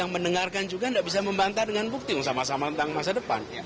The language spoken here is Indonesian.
mendengarkan juga tidak bisa membantah dengan bukti sama sama tentang masa depan